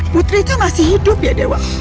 putri itu masih hidup ya dewa